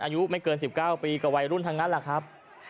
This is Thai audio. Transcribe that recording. อายุไม่เกิน๑๙ปีกับวัยรุ่นทั้งนั้นแหละครับ